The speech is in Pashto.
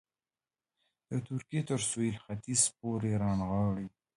د ترکیې تر سوېل ختیځ پورې رانغاړي.